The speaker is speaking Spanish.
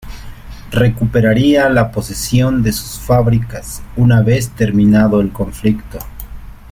Recuperaría la posesión de sus fábricas una vez terminado el conflicto.